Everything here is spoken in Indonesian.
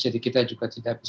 jadi kita juga harus berpikir